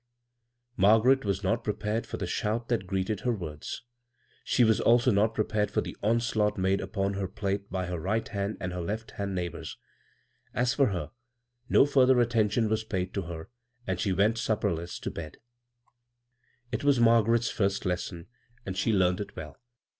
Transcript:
Margaret was not prepared for the shout that greeted her words. She also was not prepared for the onslaught made up<m her plate by her right hand and her left hand neighbors. As for herself — no huther atten tion was paid to her, and she wentsupperiess to bed. 95 b, Google CROSS CURRENTS It was Margaret's first lesson, and she learned it well.